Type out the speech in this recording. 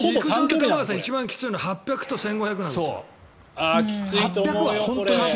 陸上で一番きついの８００ｍと１５００ｍなんですよ。